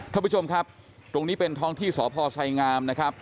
ท่านผู้ชมครับตรงนี้เป็นท้องที่สพไสงามนะครับ